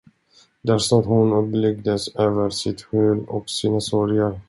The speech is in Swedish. Där stod hon och blygdes över sitt hull och sina sorger.